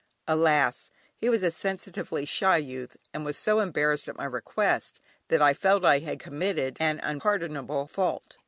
Alas! he was a sensitively shy youth, and was so embarrassed at my request that I felt I had committed an unpardonable fault.